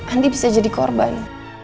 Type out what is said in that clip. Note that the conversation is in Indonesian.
andi bisa jadi korban